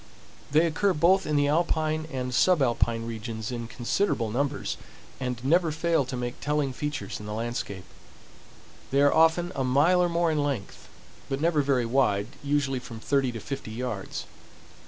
They occur both in the alpine and subalpine regions in considerable numbers, and never fail to make telling features in the landscape. They are often a mile or more in length, but never very wide—usually from thirty to fifty yards.